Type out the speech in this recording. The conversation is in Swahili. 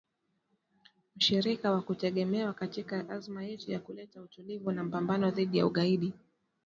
mshirika wa kutegemewa katika azma yetu ya kuleta utulivu na mapambano dhidi ya ugaidi